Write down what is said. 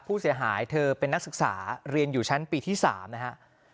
ผู้เสียหายเธอเป็นนักศึกษาเรียนอยู่ชั้นปีที่๓นะฮะ